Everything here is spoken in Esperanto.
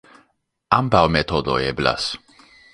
Ambaŭ metodoj eblas.